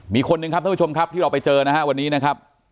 มีคนหนึ่งครับท่านผู้ชมครับที่เราไปเจอนะฮะวันนี้นะครับ